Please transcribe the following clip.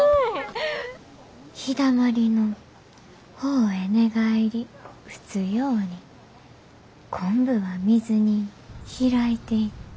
「陽だまりの方へ寝返り打つように昆布は水にひらいていった」。